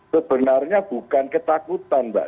sebenarnya bukan ketakutan mbak